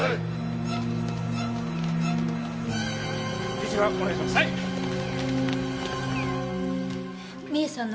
西側お願いします。